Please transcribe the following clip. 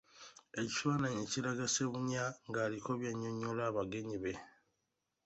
Ekifaananyi ekiraga Ssebunya nga aliko by’annyonnyola abagenyi be.